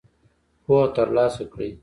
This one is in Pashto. پوهه تر لاسه کړئ